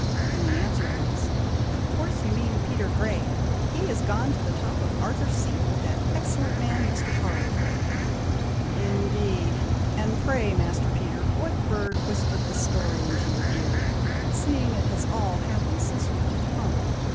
and the answer was, 'Of course your mean Peter Grey! He is gone to the top of Arthur's Seat with that excellent man, Mr. Harwood!'" "Indeed! and pray, Master Peter, what bird whispered this story into your ear, seeing it has all happened since we left home!